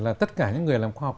là tất cả những người làm khoa học